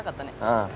うん。